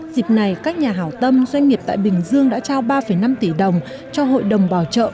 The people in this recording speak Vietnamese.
dịp này các nhà hảo tâm doanh nghiệp tại bình dương đã trao ba năm tỷ đồng cho hội đồng bảo trợ